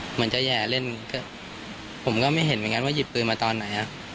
เหมือนจะแห่เล่นผมก็ไม่เห็นเหมือนกันว่าหยิบปืนมาตอนไหน